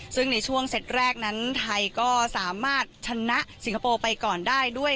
ซึ่งในช่วงเซตแรกนั้นไทยก็สามารถชนะสิงคโปร์ไปก่อนได้ด้วย